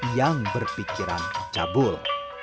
yang berpikiran cabul